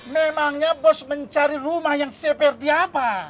memangnya bos mencari rumah yang seperti apa